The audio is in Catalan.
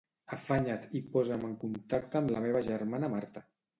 Afanya't i posa'm en contacte amb la meva germana Marta.